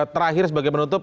terakhir sebagai menutup